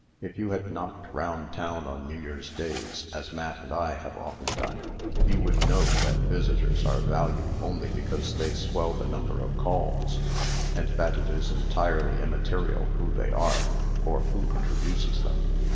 If you had knocked round town on New Year's days, as Matt and I have often done, you would know that visitors are valued only because they swell the number of calls, and that it is entirely immaterial who they are, or who introduces them.